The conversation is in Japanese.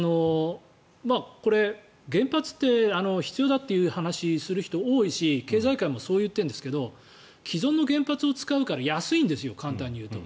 これ、原発って必要だという話をする人多いし経済界もそう言ってるんですけど既存の原発を使うから安いんですよ、簡単に言うと。